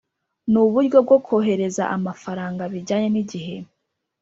Ni uburyo bwo kohereza amafaranga bijyanye n’igihe